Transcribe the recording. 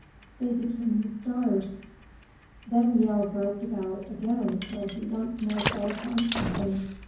they became the stars. Then Yehl groped about again till he once more fell upon something.